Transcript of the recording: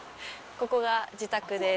ここが自宅です。